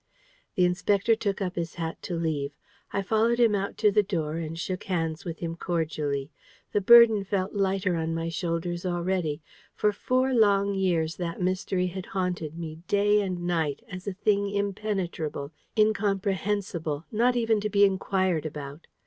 The Inspector took up his hat to leave. I followed him out to the door, and shook hands with him cordially. The burden felt lighter on my shoulders already. For four long years that mystery had haunted me day and night, as a thing impenetrable, incomprehensible, not even to be inquired about.